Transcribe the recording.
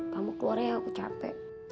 kamu keluarnya aku capek